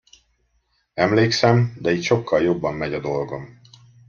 Emlékszem, de itt sokkal jobban megy a dolgom.